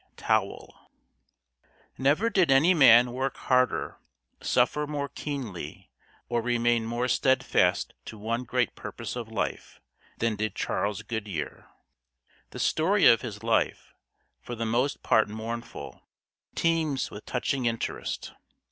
Towle Never did any man work harder, suffer more keenly, or remain more steadfast to one great purpose of life, than did Charles Goodyear. The story of his life for the most part mournful teems with touching interest.